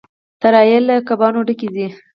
الوتکې له کبانو ډکې ځي.